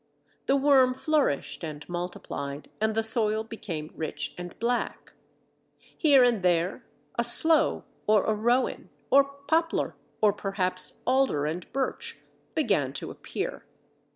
The worm flourished and multiplied, and the soil became rich and black. Here and there a Sloe or a Rowan, or Poplar, or perhaps Alder and Birch, began to appear.